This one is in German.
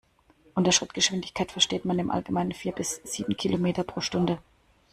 Unter Schrittgeschwindigkeit versteht man im Allgemeinen vier bis sieben Kilometer pro Stunde.